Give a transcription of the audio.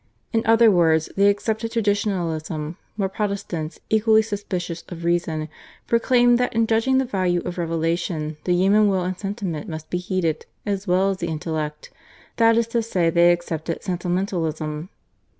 In other words they accepted Traditionalism, while Protestants, equally suspicious of reason, proclaimed that in judging the value of revelation the human will and sentiment must be heeded as well as the intellect, that is to say they accepted Sentimentalism.